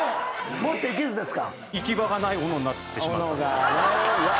持っていけずですか。